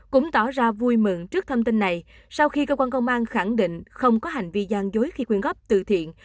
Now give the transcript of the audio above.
cũng tỏ ra vui mừng trước thông tin này sau khi cơ quan công an khẳng định không có hành vi gian dối khi quyên góp từ thiện